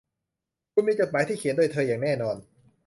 คุณมีจดหมายที่เขียนโดยเธออย่างแน่นอน